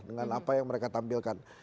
dengan apa yang mereka tampilkan